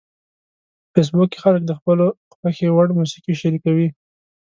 په فېسبوک کې خلک د خپلو خوښې وړ موسیقي شریکوي